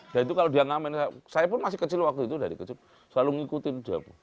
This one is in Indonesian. dan itu kalau dia ngamen saya pun masih kecil waktu itu dari kecil selalu ngikutin